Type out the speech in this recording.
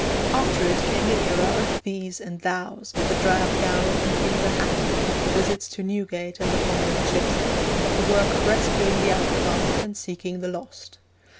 After it came the era of 'thees' and 'thous,' of the drab gown and the beaver hat, of the visits to Newgate and the convict ships, of the work of rescuing the outcast and seeking the lost.